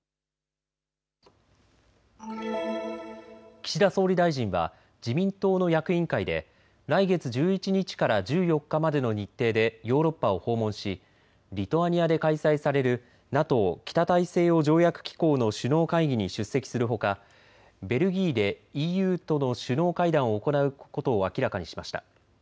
岸田総理大臣は自民党の役員会で来月１１日から１４日までの日程でヨーロッパを訪問しリトアニアで開催されるＮＡＴＯ・北大西洋条約機構の首脳会議に出席するほかベルギーでＥＵとの首脳会談を行うことを明らかにしました。